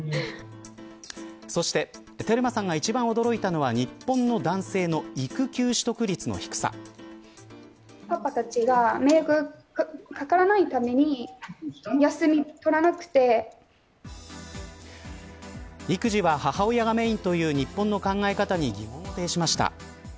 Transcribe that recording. そして、テルマさんが一番驚いたのは、日本の男性のパパたちが迷惑をかけないために休みを取らなくて育児は母親がメーンという日本の考え方に疑問を呈しました。